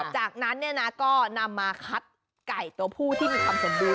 จากนั้นก็นำมาคัดไก่ตัวผู้ที่มีความสมบูร